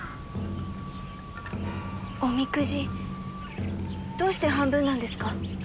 おみくじどうして半分なんですか？